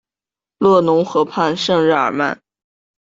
勒农河畔圣日耳曼。